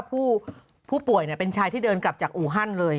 ผู้ป่วยเป็นชายที่เดินกลับจากอู่ฮั่นเลย